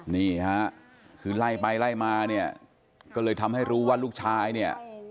นี่ฮะคือไล่ไปไล่มาเนี่ยก็เลยทำให้รู้ว่าลูกชายเนี่ย